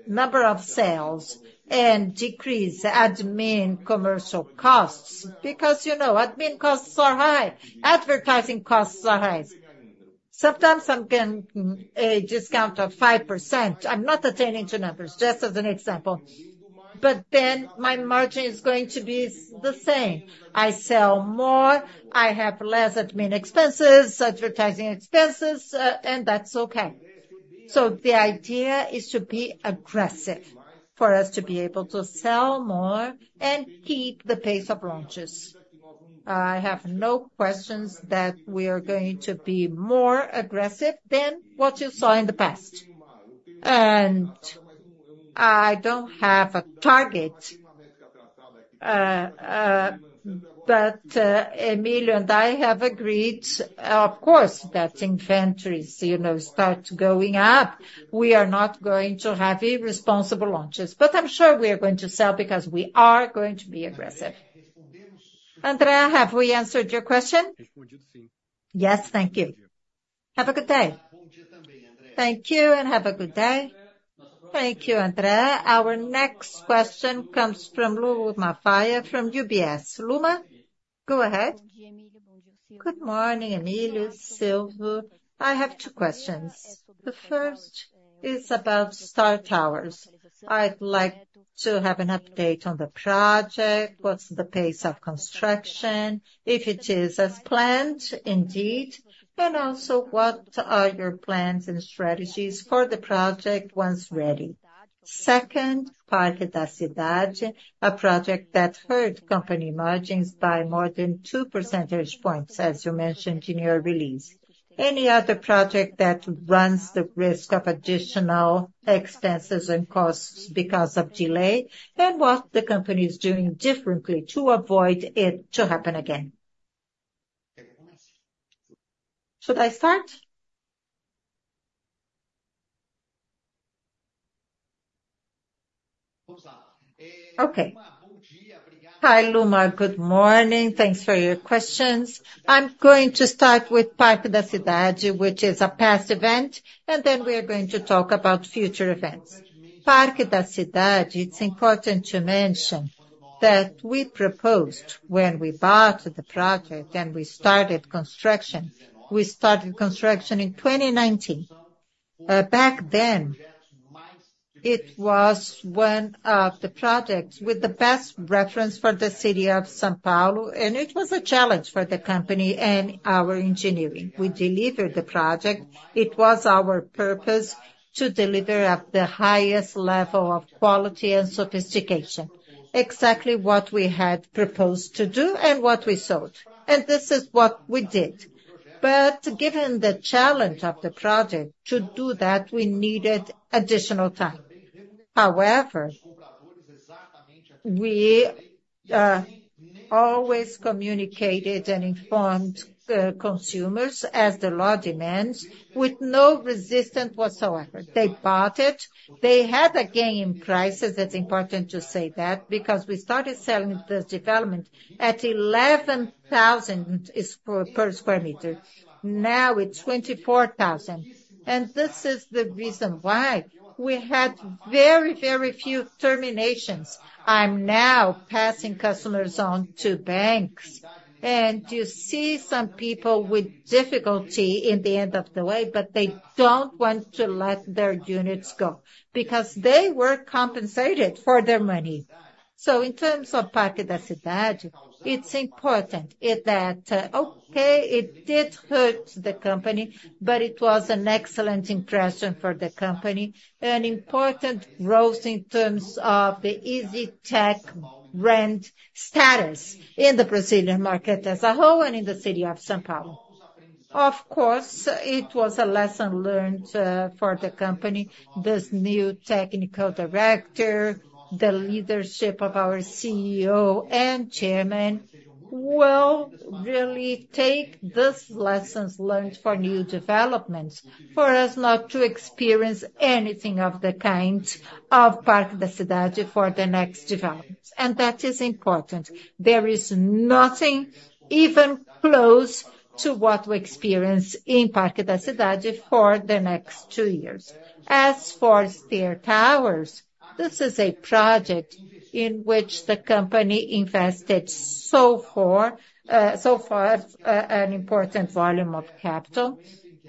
number of sales and decrease admin commercial costs, because, you know, admin costs are high, advertising costs are high. Sometimes I'm getting a discount of 5%. I'm not attaining to numbers, just as an example, but then my margin is going to be the same. I sell more, I have less admin expenses, advertising expenses, and that's okay. So the idea is to be aggressive for us to be able to sell more and keep the pace of launches. I have no questions that we are going to be more aggressive than what you saw in the past. I don't have a target, but Emílio and I have agreed, of course, that inventories, you know, start going up. We are not going to have irresponsible launches, but I'm sure we are going to sell because we are going to be aggressive. André, have we answered your question? Yes, thank you. Have a good day. Thank you, and have a good day. Thank you, Andrea. Our next question comes from Luma Paias from UBS. Luma, go ahead. Good morning, Emílio, Silvio. I have two questions. The first is about Esther Towers. I'd like to have an update on the project. What's the pace of construction, if it is as planned, indeed, and also, what are your plans and strategies for the project once ready? Second, Parque da Cidade, a project that hurt company margins by more than two percentage points, as you mentioned in your release. Any other project that runs the risk of additional expenses and costs because of delay, and what the company is doing differently to avoid it to happen again? Should I start? Okay. Hi, Luma. Good morning. Thanks for your questions. I'm going to start with Parque da Cidade, which is a past event, and then we are going to talk about future events. Parque da Cidade, it's important to mention that we proposed when we bought the project and we started construction. We started construction in 2019. Back then, it was one of the projects with the best reference for the city of São Paulo, and it was a challenge for the company and our engineering. We delivered the project. It was our purpose to deliver at the highest level of quality and sophistication, exactly what we had proposed to do and what we sold, and this is what we did. But given the challenge of the project, to do that, we needed additional time. However, we always communicated and informed the consumers as the law demands, with no resistance whatsoever. They bought it. They had a gain in prices, that's important to say that, because we started selling this development at 11,000 per square meter. Now, it's 24,000, and this is the reason why we had very, very few terminations. I'm now passing customers on to banks, and you see some people with difficulty in the end of the way, but they don't want to let their units go because they were compensated for their money. So in terms of Parque da Cidade, it's important is that, okay, it did hurt the company, but it was an excellent impression for the company, an important growth in terms of EZTEC rent status in the Brazilian market as a whole and in the city of São Paulo. Of course, it was a lesson learned, for the company. This new technical director, the leadership of our CEO and chairman, will really take these lessons learned for new developments, for us not to experience anything of the kind of Parque da Cidade for the next developments, and that is important. There is nothing even close to what we experience in Parque da Cidade for the next two years. As for Esther Towers, this is a project in which the company invested so far an important volume of capital,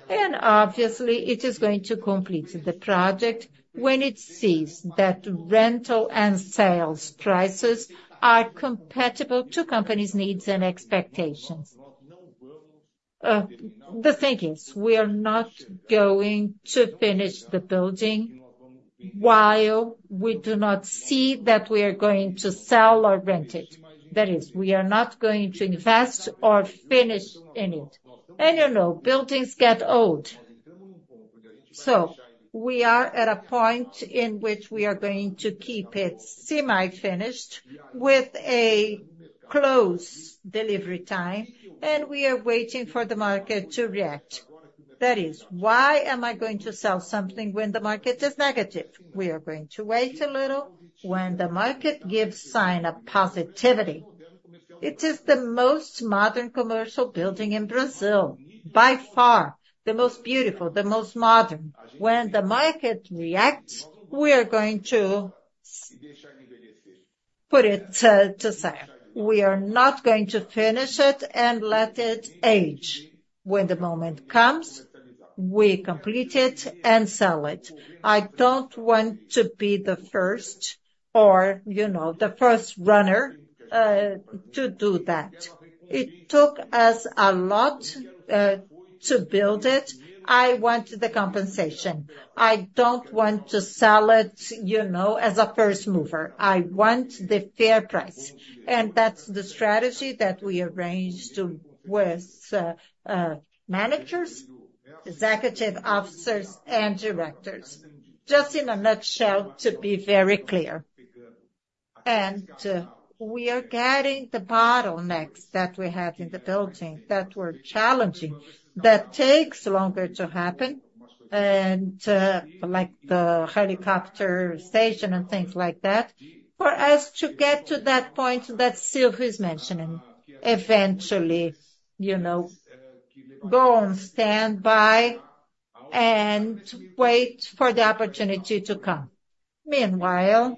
and obviously, it is going to complete the project when it sees that rental and sales prices are compatible to company's needs and expectations. The thing is, we are not going to finish the building while we do not see that we are going to sell or rent it. That is, we are not going to invest or finish in it. And you know, buildings get old. So we are at a point in which we are going to keep it semi-finished with a close delivery time, and we are waiting for the market to react. That is, why am I going to sell something when the market is negative? We are going to wait a little when the market gives sign of positivity. It is the most modern commercial building in Brazil, by far, the most beautiful, the most modern. When the market reacts, we are going to put it to sell. We are not going to finish it and let it age. When the moment comes, we complete it and sell it. I don't want to be the first or, you know, the first runner to do that. It took us a lot to build it. I want the compensation. I don't want to sell it, you know, as a first mover. I want the fair price, and that's the strategy that we arranged with managers, executive officers, and directors. Just in a nutshell, to be very clear. We are getting the bottlenecks that we had in the building that were challenging, that takes longer to happen, and like the helicopter station and things like that, for us to get to that point that Silvio is mentioning, eventually, you know, go on standby and wait for the opportunity to come. Meanwhile,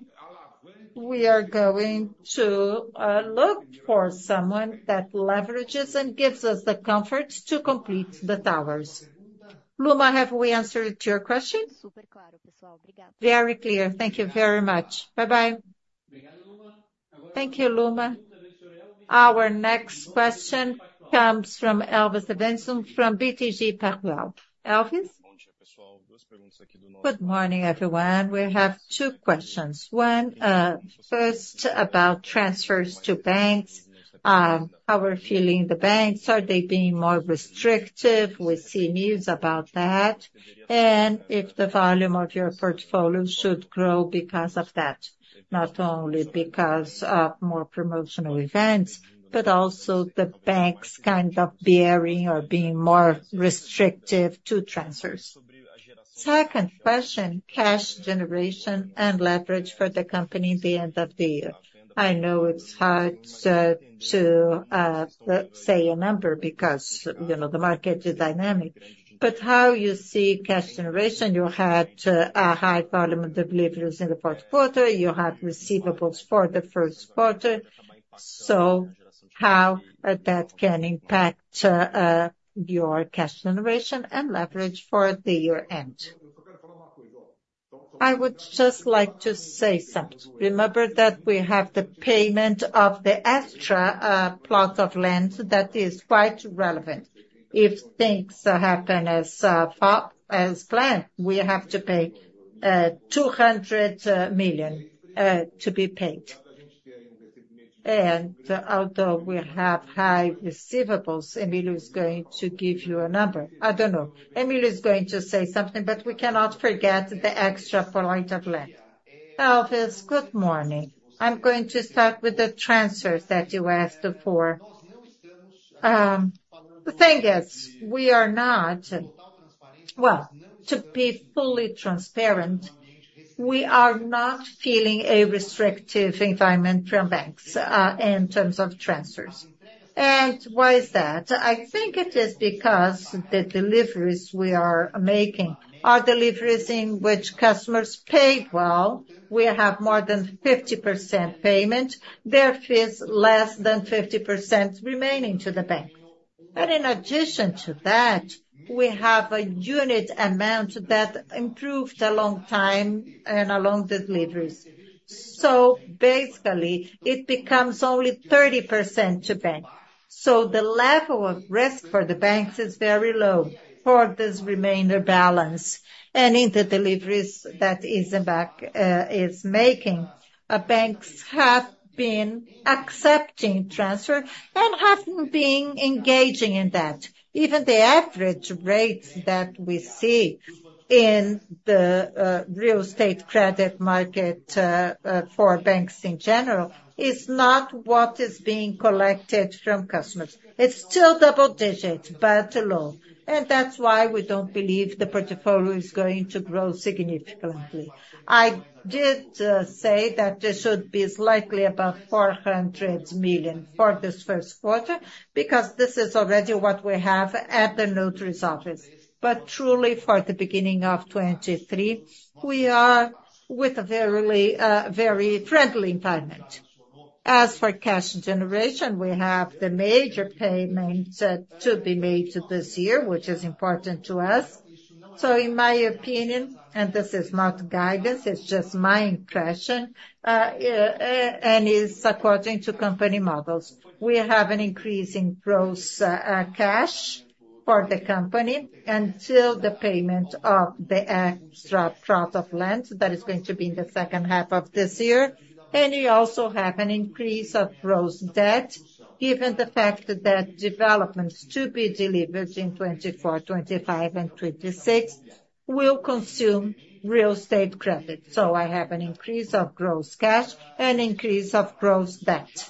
we are going to look for someone that leverages and gives us the comfort to complete the towers. Luma, have we answered your question? Super clear. Thank you very much. Bye-bye. Thank you, Luma. Our next question comes from Elvis Credendio from BTG Pactual. Elvis? Good morning, everyone. We have two questions. One, first, about transfers to banks. How we're feeling the banks, are they being more restrictive? We see news about that. And if the volume of your portfolio should grow because of that, not only because of more promotional events, but also the banks kind of varying or being more restrictive to transfers. Second question, cash generation and leverage for the company at the end of the year. I know it's hard to say a number because, you know, the market is dynamic. But how you see cash generation, you had a high volume of deliveries in the fourth quarter, you have receivables for the first quarter, so how that can impact your cash generation and leverage for the year end? I would just like to say something. Remember that we have the payment of the Extra plot of land that is quite relevant. If things happen as far as planned, we have to pay 200 million to be paid. And although we have high receivables, Emílio is going to give you a number. I don't know. Emílio is going to say something, but we cannot forget the Extra plot of land. Elvis, good morning. I'm going to start with the transfers that you asked for. The thing is, we are not. Well, to be fully transparent, we are not feeling a restrictive environment from banks in terms of transfers. And why is that? I think it is because the deliveries we are making are deliveries in which customers pay well. We have more than 50% payment, there is less than 50% remaining to the bank. But in addition to that, we have a unit amount that improved along time and along deliveries. So basically, it becomes only 30% to bank. So the level of risk for the banks is very low for this remainder balance. And in the deliveries that EZTEC is making, banks have been accepting transfer and have been engaging in that. Even the average rates that we see in the real estate credit market for banks in general is not what is being collected from customers. It's still double digit, but low, and that's why we don't believe the portfolio is going to grow significantly. I did say that this should be slightly above 400 million for this first quarter, because this is already what we have at the Notary's office. But truly, for the beginning of 2023, we are with a very, very friendly environment. As for cash generation, we have the major payment to be made this year, which is important to us.... So in my opinion, and this is not guidance, it's just my impression, and is according to company models. We have an increase in gross cash for the company until the payment of the Extra plot of land that is going to be in the second half of this year. And we also have an increase of gross debt, given the fact that developments to be delivered in 2024, 2025 and 2026 will consume real estate credit. So I have an increase of gross cash and increase of gross debt.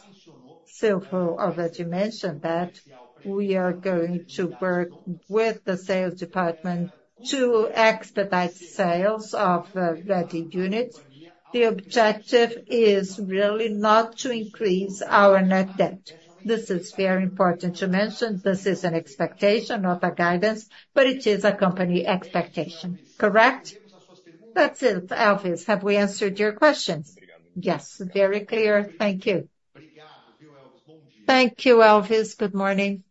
Silvio already mentioned that we are going to work with the sales department to expedite sales of ready units. The objective is really not to increase our net debt. This is very important to mention. This is an expectation, not a guidance, but it is a company expectation. Correct? That's it. Elvis, have we answered your questions? Yes, very clear. Thank you. Thank you, Elvis. Good morning.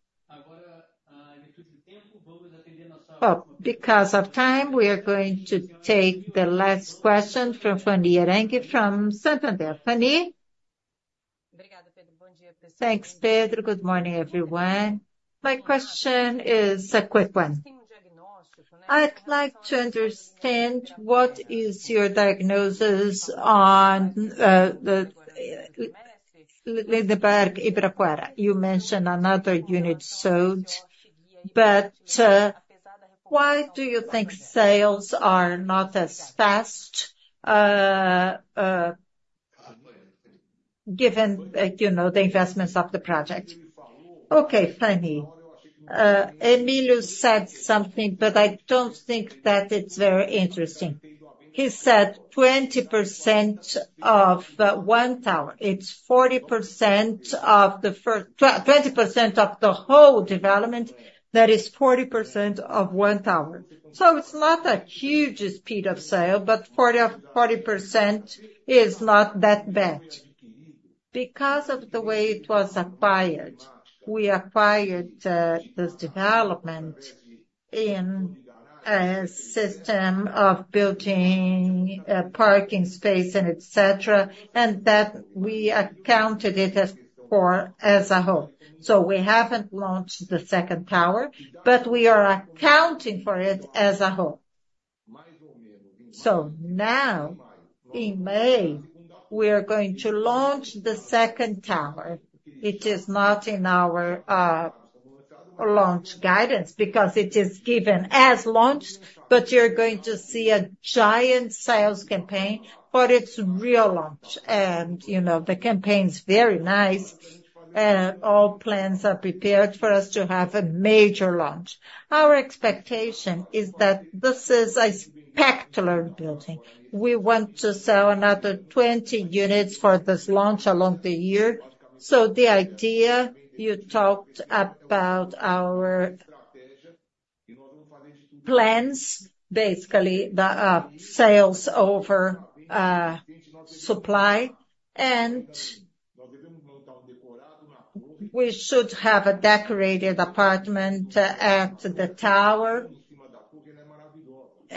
Because of time, we are going to take the last question from Fanny Oreng from Santander. Fanny? Thanks, Pedro. Good morning, everyone. My question is a quick one. I'd like to understand what is your diagnosis on the Lindenberg Ibirapuera. You mentioned another unit sold, but why do you think sales are not as fast given, like, you know, the investments of the project? Okay, Fanny. Emílio said something, but I don't think that it's very interesting. He said 20% of one tower. It's 40% of the first 20% of the whole development, that is 40% of one tower. So it's not a huge speed of sale, but 40% is not that bad. Because of the way it was acquired, we acquired this development in a system of building a parking space and et cetera, and that we accounted it as a whole. So we haven't launched the second tower, but we are accounting for it as a whole. So now, in May, we are going to launch the second tower, which is not in our launch guidance, because it is given as launched, but you're going to see a giant sales campaign for its real launch. And, you know, the campaign's very nice, all plans are prepared for us to have a major launch. Our expectation is that this is a spectacular building. We want to sell another 20 units for this launch along the year. So the idea, you talked about our plans, basically, the Sales over Supply, and we should have a decorated apartment at the tower.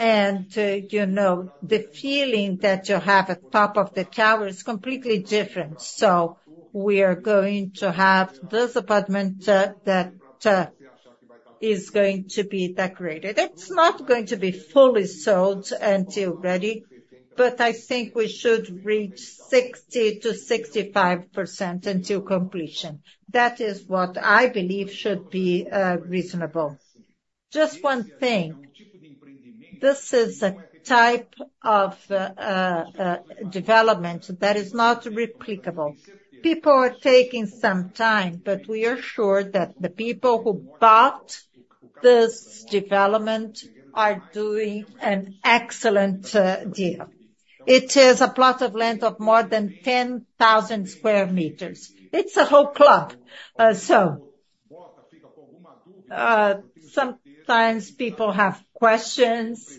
And, you know, the feeling that you have at top of the tower is completely different. So we are going to have this apartment that is going to be decorated. It's not going to be fully sold until ready, but I think we should reach 60%-65% until completion. That is what I believe should be reasonable. Just one thing, this is a type of development that is not replicable. People are taking some time, but we are sure that the people who bought this development are doing an excellent deal. It is a plot of land of more than 10,000 square meters. It's a whole club. So, sometimes people have questions,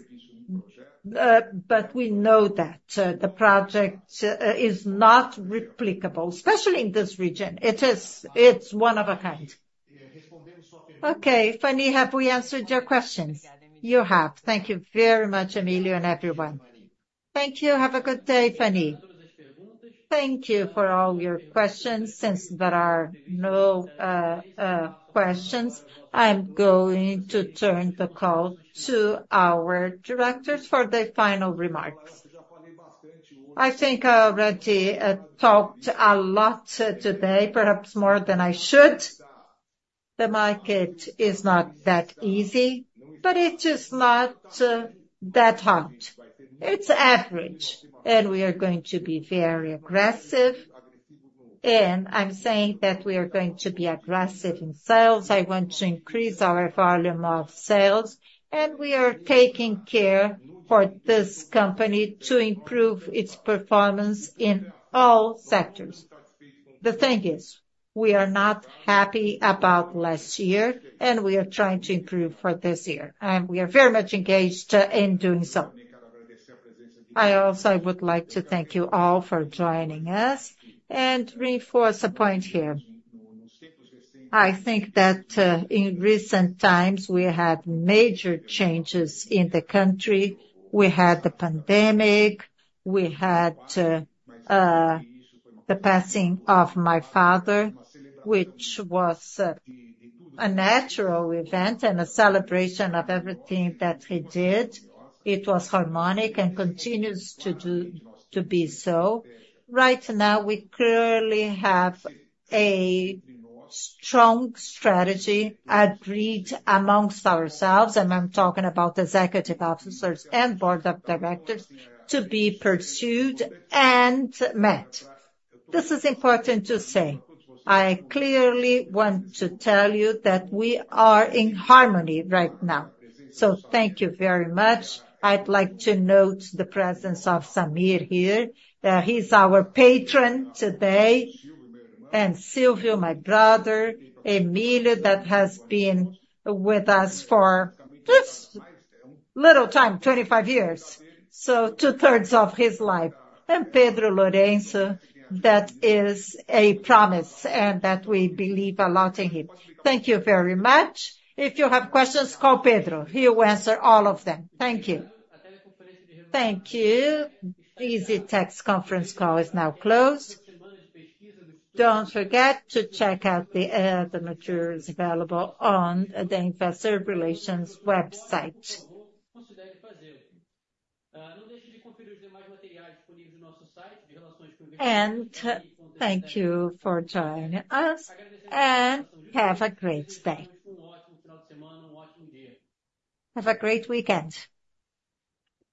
but we know that, the project, is not replicable, especially in this region. It is—it's one of a kind. Okay, Fanny, have we answered your questions? You have. Thank you very much, Emílio, and everyone. Thank you. Have a good day, Fanny. Thank you for all your questions. Since there are no questions, I am going to turn the call to our directors for their final remarks. I think I already talked a lot today, perhaps more than I should. The market is not that easy, but it is not that hard. It's average, and we are going to be very aggressive. And I'm saying that we are going to be aggressive in sales. I want to increase our volume of sales, and we are taking care for this company to improve its performance in all sectors. The thing is, we are not happy about last year, and we are trying to improve for this year, and we are very much engaged in doing so. I also would like to thank you all for joining us and reinforce a point here... I think that in recent times, we had major changes in the country. We had the pandemic, we had the passing of my father, which was a natural event and a celebration of everything that he did. It was harmonic and continues to be so. Right now, we clearly have a strong strategy agreed amongst ourselves, and I'm talking about Executive Officers and Board of Directors, to be pursued and met. This is important to say. I clearly want to tell you that we are in harmony right now. So thank you very much. I'd like to note the presence of Samir here, he's our patron today, and Silvio, my brother, Emílio, that has been with us for just little time, 25 years, so two-thirds of his life. And Pedro Lourenço, that is a promise, and that we believe a lot in him. Thank you very much. If you have questions, call Pedro. He will answer all of them. Thank you. Thank you. EZTEC conference call is now closed. Don't forget to check out the materials available on the Investor Relations website. And thank you for joining us, and have a great day. Have a great weekend.